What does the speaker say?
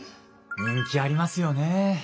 人気ありますよね。